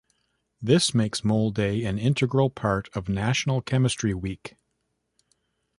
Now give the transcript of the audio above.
This makes Mole Day an integral part of National Chemistry Week.